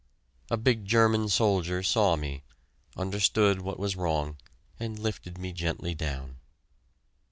A big German soldier saw me, understood what was wrong, and lifted me gently down.